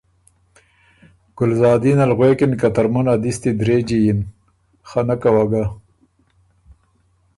ګلزادین ال غوېکِن که ”ترمُن ا دِستی درېجی یِن“ خنکه وه ګۀ۔